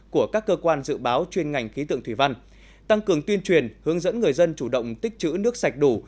của các cơ quan dự báo chuyên ngành khí tượng thủy văn tăng cường tuyên truyền hướng dẫn người dân chủ động tích chữ nước sạch đủ